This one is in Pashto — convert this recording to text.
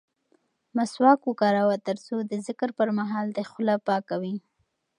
مسواک وکاروه ترڅو د ذکر پر مهال دې خوله پاکه وي.